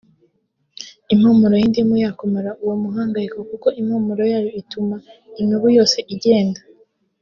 impumuro y’indimu yakumara uwo muhangayiko kuko impumuro yayo ituma imibu yose igenda